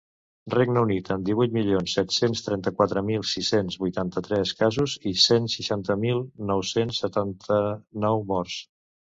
Regne Unit, amb divuit milions set-cents trenta-quatre mil sis-cents vuitanta-tres casos i cent seixanta mil nou-cents setanta-nou morts.